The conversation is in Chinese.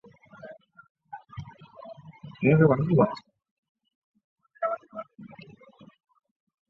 六角化六边形镶嵌的结构与六边形边与三角形边重合的复合三角形镶嵌六边形镶嵌相近。